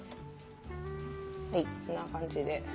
はいこんな感じで。